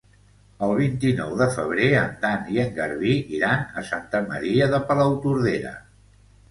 El vint-i-nou de febrer en Dan i en Garbí iran a Santa Maria de Palautordera.